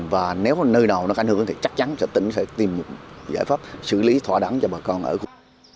và nếu nơi nào nó ảnh hưởng thì chắc chắn tỉnh sẽ tìm những giải pháp xử lý thỏa đáng cho bà con ở khu